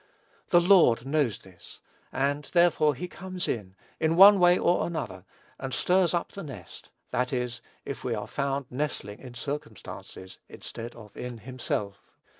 The Lord knows this; and, therefore, he comes in, in one way or another, and stirs up the nest, that is, if we are found nestling in circumstances, instead of in himself.